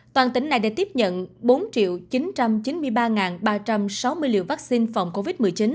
toàn tỉnh này đã tiếp nhận bốn chín trăm chín mươi ba ba trăm sáu mươi liều vaccine phòng covid một mươi chín